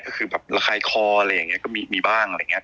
ก็คือแบบระคายคออะไรอย่างนี้ก็มีบ้างอะไรอย่างนี้